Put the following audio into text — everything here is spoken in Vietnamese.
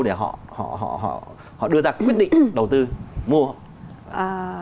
để họ đưa ra quyết định đầu tư mua